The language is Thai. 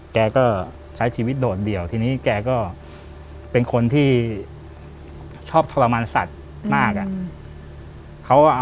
แกก็ใช้ชีวิตโดดเดี่ยวทีนี้แกก็เป็นคนที่ชอบทรมานสัตว์มาก